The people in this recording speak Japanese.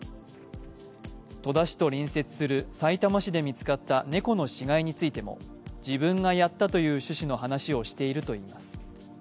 戸田市と隣接するさいたま市で見つかった猫の死骸についても自分がやったという趣旨の話をしているといいます。